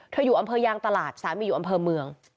อยู่อำเภอยางตลาดสามีอยู่อำเภอเมือง